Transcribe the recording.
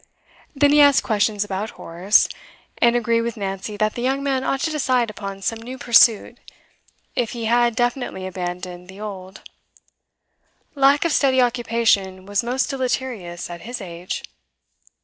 Then he asked questions about Horace, and agreed with Nancy that the young man ought to decide upon some new pursuit, if he had definitely abandoned the old; lack of steady occupation was most deleterious at his age.